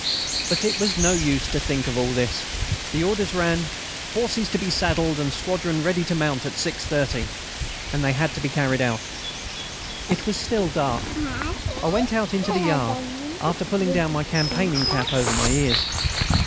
But it was no use to think of all this. The orders ran: "Horses to be saddled, and squadron ready to mount, at 6.30." And they had to be carried out. It was still dark. I went out into the yard, after pulling down my campaigning cap over my ears.